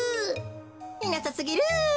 いなさすぎる。